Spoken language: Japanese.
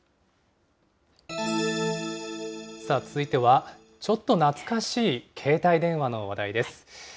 続いては、ちょっと懐かしい携帯電話の話題です。